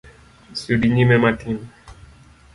Sudi nyime matin.